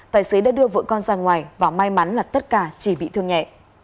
tài xế đã đưa vợ con ra ngoài và may mắn là tất cả chỉ bị thương nhẹ